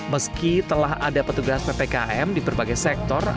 meski telah ada petugas ppkm di berbagai sektor